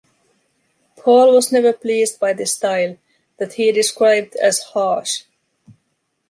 Paul was never pleased by this style, that he described as “harsh”.